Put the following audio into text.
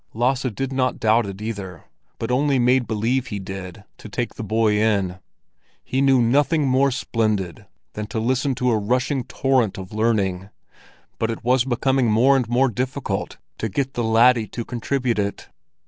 Lasse did not doubt it either, but only made believe he did to take the boy in. He knew nothing more splendid than to listen to a rushing torrent of learning, but it was becoming more and more difficult to get the laddie to contribute it.